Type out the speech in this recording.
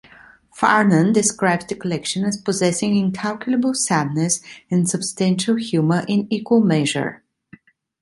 Farnon describes the collection as possessing incalculable sadness and substantial humor in equal measure.